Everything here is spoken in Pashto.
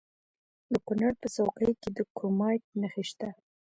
د کونړ په څوکۍ کې د کرومایټ نښې شته.